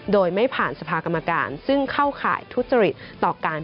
โดยไม่ผ่านสภากรรมการซึ่งเข้าข่ายทุจริตต่อการ